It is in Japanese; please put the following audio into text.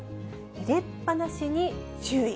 入れっぱなしに注意。